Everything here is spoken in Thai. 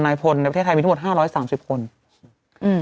นายพลในประเทศไทยมีทั้งหมดห้าร้อยสามสิบคนอืม